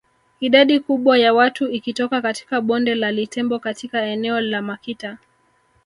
Idadi kubwa ya watu ikitoka katika bonde la Litembo katika eneo la Makita